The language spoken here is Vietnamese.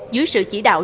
dưới sự chỉ đạo